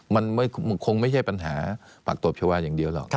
มันคงไม่ใช่ปัญหาปากตบชาวาอย่างเดียวหรอก